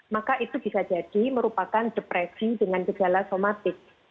maka itu bisa jadi merupakan depresi dengan gejala somatik